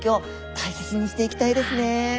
大切にしていきたいですね。